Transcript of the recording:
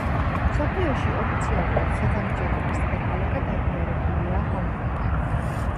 მსოფლიოში ოფიციალურად „ცათამბჯენების დედაქალაქად“ აღიარებულია ჰონგ-კონგი.